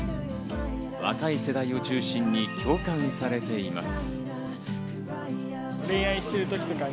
若い世代を中心に共感されています。